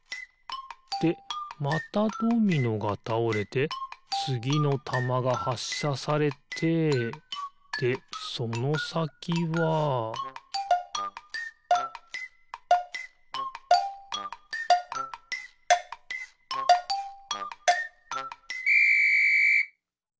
でまたドミノがたおれてつぎのたまがはっしゃされてでそのさきはピッ！